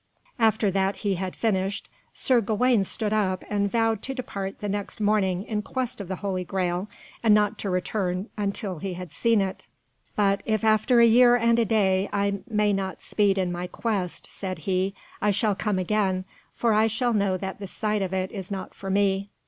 After that he had finished, Sir Gawaine stood up and vowed to depart the next morning in quest of the Holy Graal, and not to return until he had seen it. "But if after a year and a day I may not speed in my quest," said he, "I shall come again, for I shall know that the sight of it is not for me."